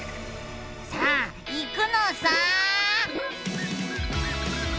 さあいくのさ！